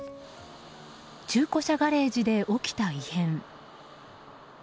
中古車ガレージで起きた異変。